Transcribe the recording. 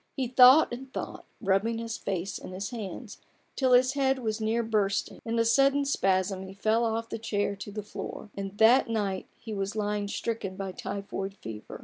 He thought and thought, rubbing his face in his hands, till his head was near bursting : in a sudden spasm he fell off the chair to the floor ; and that night he was lying stricken by typhoid fever.